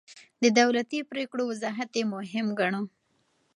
د دولتي پرېکړو وضاحت يې مهم ګاڼه.